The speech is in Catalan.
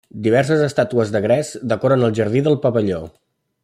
Diverses estàtues de gres decoren el jardí del pavelló.